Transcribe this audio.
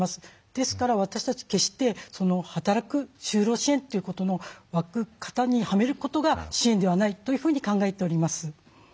ですから私たち決して働く就労支援ということの枠型にはめることが支援ではないというふうに考えております。